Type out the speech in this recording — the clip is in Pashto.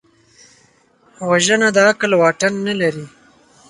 وژنه د عقل واټن نه لري